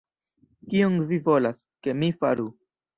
Kion vi volas, ke mi faru!